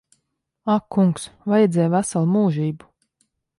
Ak kungs. Vajadzēja veselu mūžību.